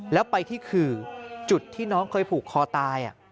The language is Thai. แล้วไปที่ขื่อจุดที่น้องเคยผูกคอตาย